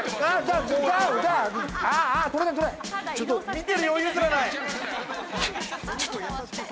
見てる余裕すらない！